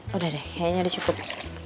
sudah deh sepertinya sudah cukup